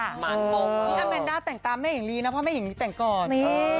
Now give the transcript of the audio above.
นี่อาแมนด้าแต่งตามแม่หญิงลีนะเพราะแม่หญิงลีแต่งก่อน